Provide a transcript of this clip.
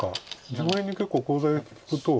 その辺に結構コウ材が利くと。